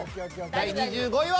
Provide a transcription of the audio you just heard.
第２５位は。